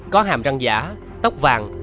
có hàm răng giả tóc vàng